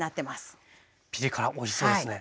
ピリ辛おいしそうですね。